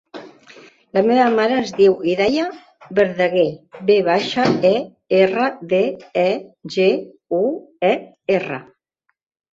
La meva mare es diu Hidaya Verdeguer: ve baixa, e, erra, de, e, ge, u, e, erra.